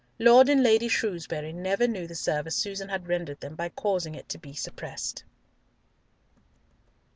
Lord and Lady Shrewsbury never knew the service Susan had rendered them by causing it to be suppressed.